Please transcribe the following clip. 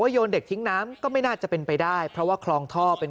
โยนเด็กทิ้งน้ำก็ไม่น่าจะเป็นไปได้เพราะว่าคลองท่อเป็น